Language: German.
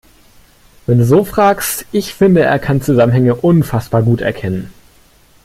Wenn du so fragst, ich finde, er kann Zusammenhänge unfassbar gut erkennen.